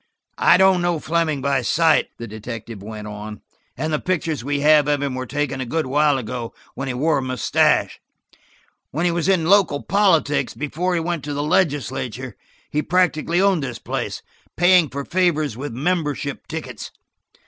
"I don't know Fleming by sight," the detective went on, "and the pictures we have of him were taken a good while ago, when he wore a mustache. When he was in local politics, before he went to the legislature, he practically owned this place, paying for favors with membership tickets.